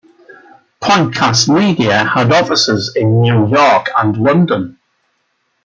PointCast Media had offices in New York and London.